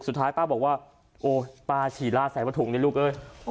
สุดท้ายป้าบอกว่าโอ้ป้าฉี่ลาดใส่ประถุงนี่ลูกเอ้ย